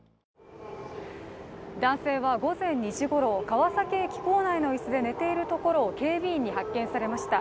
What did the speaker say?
男性は午前２時ごろ、川崎駅構内の椅子で寝ているところを警備員に発見されました。